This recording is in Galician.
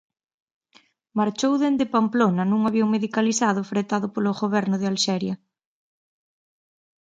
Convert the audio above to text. Marchou dende Pamplona nun avión medicalizado fretado polo Goberno de Alxeria.